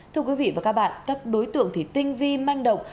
thưa quý vị và các bạn các đối tượng thì tinh vi manh động